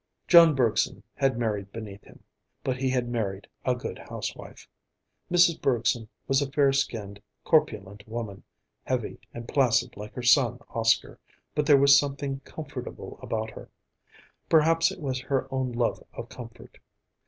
John Bergson had married beneath him, but he had married a good housewife. Mrs. Bergson was a fair skinned, corpulent woman, heavy and placid like her son, Oscar, but there was something comfortable about her; perhaps it was her own love of comfort.